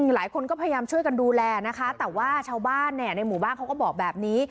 หลายคนก็พยายามช่วยกันดูแลนะคะแต่ว่าชาวบ้านในหมู่บ้านเขาก็บอกแบบนี้